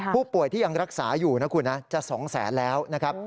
ผู้ป่วยที่ยังรักษาอยู่นะคุณนะจะ๒แสนแล้วนะครับ